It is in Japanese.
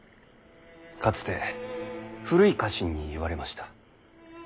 かつて古い家臣に言われました。